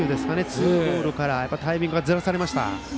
ツーボールからタイミングがずらされましたね。